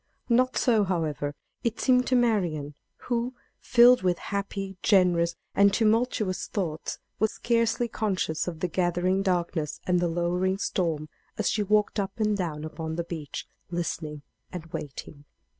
Not so, however, it seemed to Marian, who, filled with happy, generous and tumultuous thoughts, was scarcely conscious of the gathering darkness and the lowering storm, as she walked up and down upon the beach, listening and waiting.